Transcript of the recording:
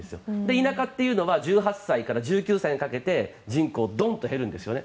田舎っていうのは１８歳から１９歳にかけて人口がドンと減るんですね。